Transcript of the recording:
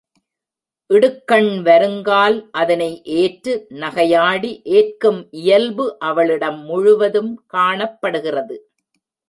இடுக்கண் வருங்கால் அதனை ஏற்று நகையாடி ஏற்கும் இயல்பு அவளிடம் முழுவதும் காணப்படுகிறது.